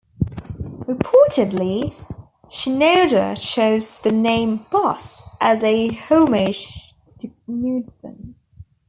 Reportedly Shinoda chose the name "Boss" as a homage to Knudsen.